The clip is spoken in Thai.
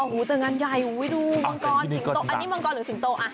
โห้เติมงานใหญ่อูยดูมังกรสิงโต้อันนี้มังกรหรือสิงโต้อ่ะ